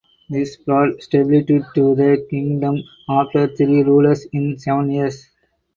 This brought stability to the kingdom after three rulers in seven years.